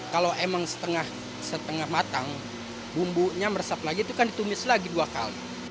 kalau emang setengah matang bumbunya meresap lagi itu kan ditumis lagi dua kali